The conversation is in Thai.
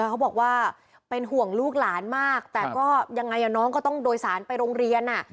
เขาบอกว่าเป็นห่วงลูกหลานมากแต่ก็ยังไงน้องก็ต้องโดยสารไปโรงเรียน